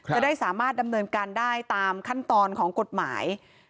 จะได้สามารถดำเนินการได้ตามขั้นตอนของกฎหมาย